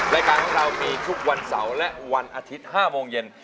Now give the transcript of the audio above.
รายการของเรามีทุกวันเสาร์และวันอาทิตย์๕โมงเย็น